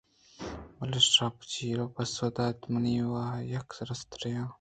بلے شپ چَر ءَ پسّہ دات من وَ یک رسِترےآں